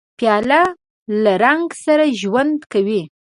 پیاله له رنګ سره ژوند کوي.